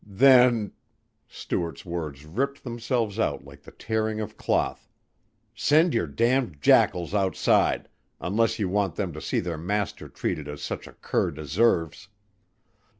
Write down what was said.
"Then," Stuart's words ripped themselves out like the tearing of cloth, "send your damned jackals outside, unless you want them to see their master treated as such a cur deserves."